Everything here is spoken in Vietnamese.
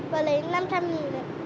còn lấy năm trăm linh nghìn này